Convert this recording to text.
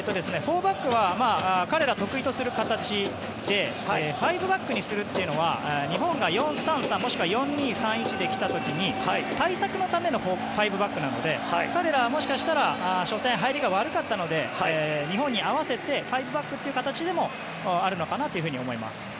４バックは彼らが得意とする形で５バックにするというのは日本が４−３−３もしくは４−２−３−１で来た時に対策のための５バックなので彼らはもしかしたら初戦の入りが悪かったので日本に合わせて５バックという形でもあるのかなと思います。